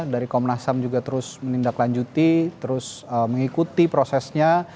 dari komnas ham juga terus menindaklanjuti terus mengikuti prosesnya